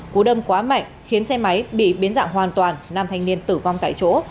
cú đâm quá mạnh khiến xe máy bị biến dạng hoàn toàn nam thanh niên tử vong tại chỗ